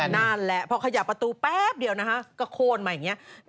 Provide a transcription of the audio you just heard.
นั่นแหละพอขยับประตูแป๊บเดียวนะคะก็โค้นมาอย่างนี้